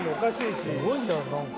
すごいじゃんなんか。